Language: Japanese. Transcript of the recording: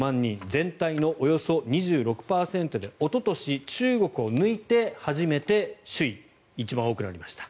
全体のおよそ２６％でおととし中国を抜いて初めて首位一番多くなりました。